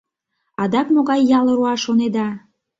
Адак могай ял руа шонеда?